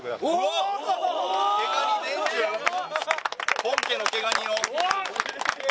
本家の毛ガニを。